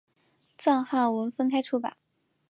藏汉文分开出版。